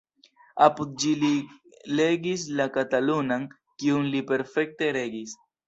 Apud ĝi li legis la katalunan, kiun li perfekte regis.